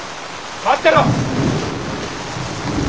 待ってろ！